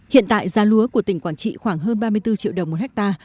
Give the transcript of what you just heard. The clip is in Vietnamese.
hiện tại giá lúa của tỉnh quảng trị khoảng hơn ba mươi bốn triệu đồng một ha